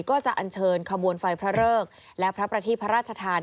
ก็จะอันเชิญขบวนไฟพระเริกและพระประทีพระราชทาน